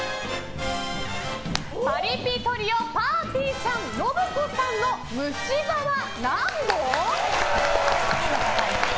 パリピトリオぱーてぃーちゃん信子さんの虫歯は何本？